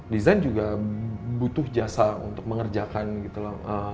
desain juga butuh jasa untuk mengerjakan gitu loh